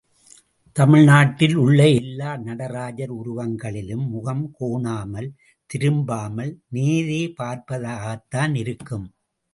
தமிழ்நாட்டில் உள்ள எல்லா நடராஜர் உருவங்களிலும் முகம் கோணாமல், திரும்பாமல் நேரே பார்ப்பதாகத்தான் இருக்கும்.